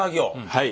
はい。